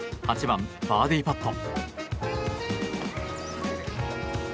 １３番、バーディーパット。